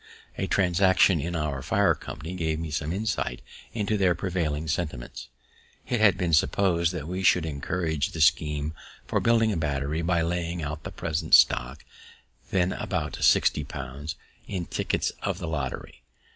A transaction in our fire company gave me some insight into their prevailing sentiments. It had been propos'd that we should encourage the scheme for building a battery by laying out the present stock, then about sixty pounds, in tickets of the lottery.